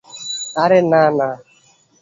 আরে না, না।